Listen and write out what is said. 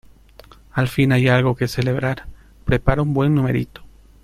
al fin hay algo que celebrar. prepara un buen numerito .